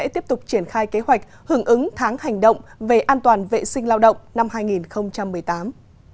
trong năm nay thành phố sẽ tiếp tục triển khai kế hoạch hưởng ứng tháng hành động về an toàn vệ sinh lao động năm hai nghìn một mươi tám